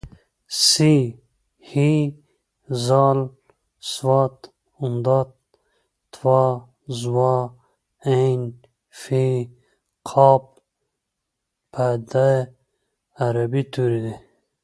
ث ح ذ ص ض ط ظ ع ف ق په د عربۍ توري